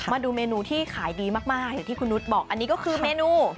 มาดูเมนูที่ขายดีมากอย่างที่คุณนุษย์บอกอันนี้ก็คือเมนู